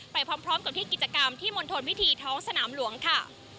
ไปพร้อมกับที่กิจกรรมที่มณฑลวิธีท้องสนามหลวงค่ะ